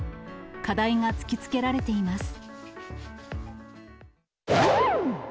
課題が突きつけられています。